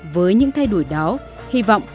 với những thay đổi đó hy vọng